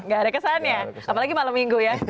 gak ada kesannya apalagi malam minggu ya